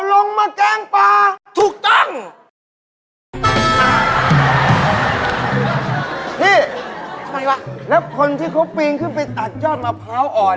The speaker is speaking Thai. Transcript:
แล้วคนที่เขาปีงขึ้นไปตัดจอดมะพร้าวอ่อน